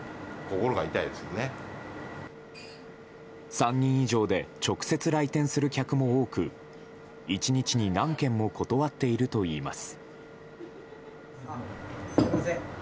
３人以上で直接来店する客も多く１日に何件も断っているといいます。